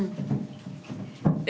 え？